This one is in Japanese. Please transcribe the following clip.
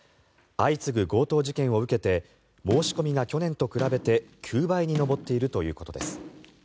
相次ぐ強盗事件を受けて申し込みが去年と比べて９倍に上っているということです。